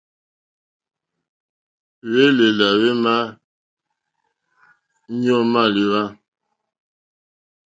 Hwélèlà hwémá hwéɲɔ́ǃɔ́ mâléwá.